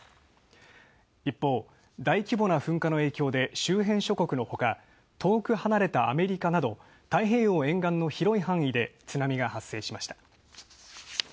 一方、大規模な噴火の影響で周辺諸国のほか、遠く離れたアメリカなど太平洋沿岸の広い範囲で津波が発生しました。